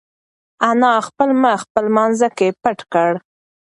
انا خپل مخ په لمانځه کې پټ کړ.